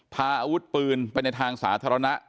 พาอาวุธปืนไปในทางสาธารณะ